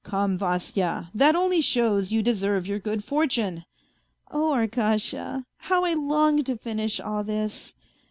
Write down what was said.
..."" Come, Vasya, that only shows you deserve your good fortune." " Oh, Arkasha ! How I longed to finish all this.